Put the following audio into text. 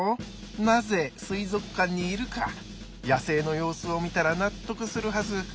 なぜ水族館にいるか野生の様子を見たら納得するはず。